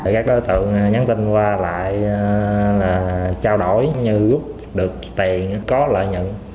các đối tượng nhắn tin qua lại là trao đổi như góp được tiền có lợi nhận